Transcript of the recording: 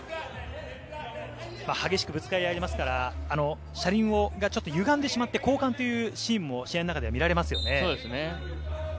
激しくぶつかり合いますから、車輪がちょっと歪んでしまって交換というシーンも試合の中では見られますよね。